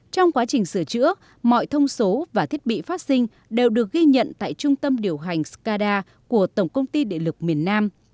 trong quá trình sửa chữa mọi thông số và thiết bị phát sinh đều được ghi nhận tại trung tâm điều hành scada của tổng công ty địa lực miền nam